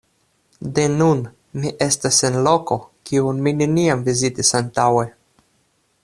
De nun, mi estas en loko, kiun mi neniam vizitis antaŭe.